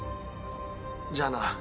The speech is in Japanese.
じゃあな。